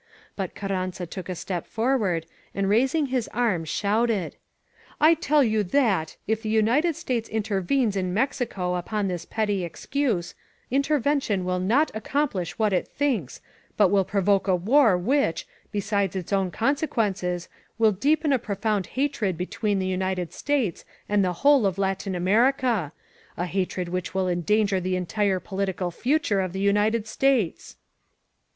But Carranza took a step for ward, and, raising his arm, shouted : I tell you that, if the United States intervenes in Mexico upon this petty excuse, intervention will not accomplish what it thinks, but will provoke a war which, besides its own consequences, will deepen a pro found hatred between the United States and the whole of Latin America, a hatred which will endanger the entire political future of the United States